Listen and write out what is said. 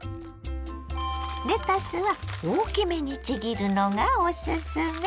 レタスは大きめにちぎるのがおすすめ。